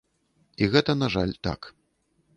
І гэта, на жаль, так.